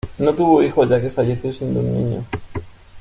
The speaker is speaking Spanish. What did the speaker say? No tuvo hijos ya que falleció siendo un niño.